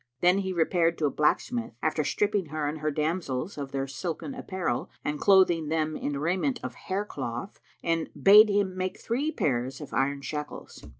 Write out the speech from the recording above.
Then he repaired to a blacksmith, after stripping her and her damsels of their silken apparel and clothing them in raiment of hair cloth, and bade him make three pairs of iron shackles.